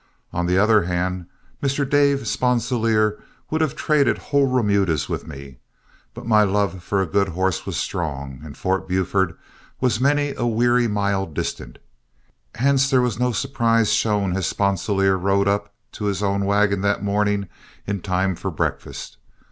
On the other hand, Mr. Dave Sponsilier would have traded whole remudas with me; but my love for a good horse was strong, and Fort Buford was many a weary mile distant. Hence there was no surprise shown as Sponsilier rode up to his own wagon that morning in time for breakfast.